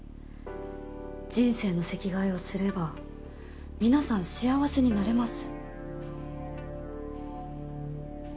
人生の席替えをすればみなさん幸せになれます。